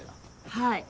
はい。